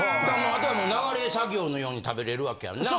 あとはもう流れ作業のように食べれる訳やんな。